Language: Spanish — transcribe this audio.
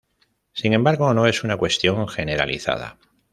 Sin embargo, no es una cuestión generalizada.